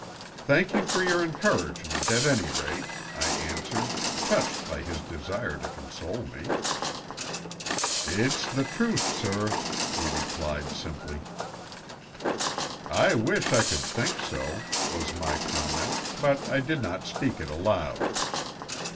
"Thank you for your encouragement at any rate," I answered, touched by his desire to console me. "It's the truth, sir," he replied simply. "I wish I could think so," was my comment, but I did not speak it aloud.